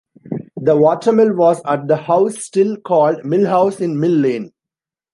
The watermill was at the house still called Mill House in Mill Lane.